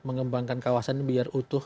mengembangkan kawasan biar utuh